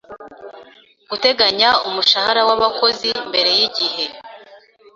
guteganya umushahara w’abakozi mbere y’igihe